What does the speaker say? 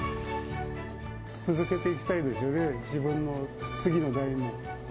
続けていきたいですよね、自分の次の代も。